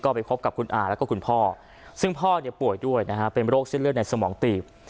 ไปพบกับคุณอาแล้วก็คุณพ่อซึ่งพ่อเนี่ยป่วยด้วยนะฮะเป็นโรคเส้นเลือดในสมองตีบ